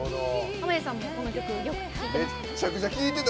濱家さんも、この曲よく聴いてる？